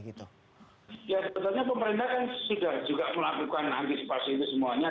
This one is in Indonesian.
ya sebenarnya pemerintah kan sudah juga melakukan antisipasi itu semuanya